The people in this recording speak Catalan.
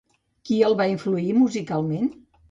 Qui el va influir musicalment?